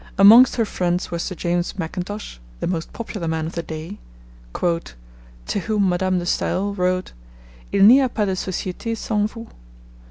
Amongst her friends were Sir James Mackintosh, the most popular man of the day, 'to whom Madame de Stael wrote, "Il n'y a pas de societe sans vous."